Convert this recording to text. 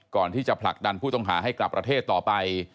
ผลักดันผู้ต้องหาให้กลับประเทศต่อไป